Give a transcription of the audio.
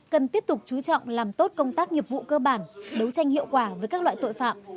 cần tiếp tục chú trọng làm tốt công tác nghiệp vụ cơ bản đấu tranh hiệu quả với các loại tội phạm